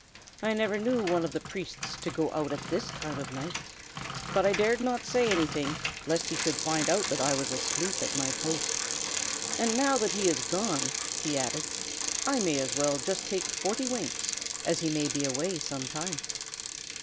"I never knew one of the priests to go out at this time of night. But I dared not say anything, lest he should find out that I was asleep at my post. And now that he is gone," he added, "I may as well just take forty winks, as he may be away some time."